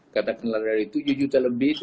katakanlah dari tujuh juta lebih